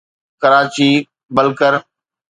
Karachi بلڪر